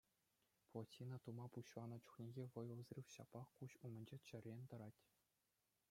Плотина тума пуҫланӑ чухнехи вӑйлӑ взрыв ҫаплах куҫ умӗнче чӗррӗн тӑрать.